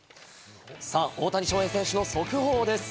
大谷翔平選手の速報です。